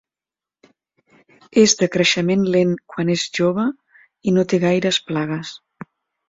És de creixement lent quan és jove, i no té gaires plagues.